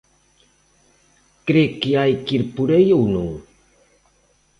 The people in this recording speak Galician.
¿Cre que hai que ir por aí ou non?